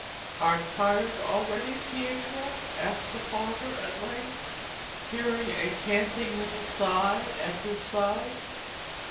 'Art tired already, Pietro?' asked the father at length, hearing a panting little sigh at his side.